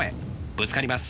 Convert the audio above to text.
ぶつかります。